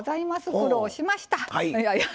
苦労しました。